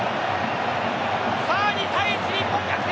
さあ２対１、日本逆転。